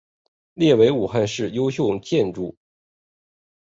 列为武汉市优秀历史建筑。